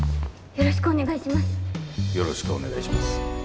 よろしくお願いします。